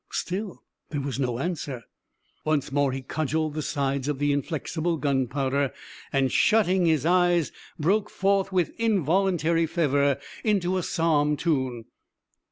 Still there was no answer. Once more he cudgeled the sides of the inflexible Gunpowder, and shutting his eyes, broke forth with involuntary fervor into a psalm tune.